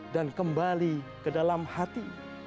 dan kembali ke dalam hati